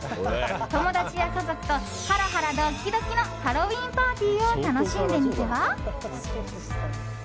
友達や家族とハラハラドキドキのハロウィーンパーティーを楽しんでみては？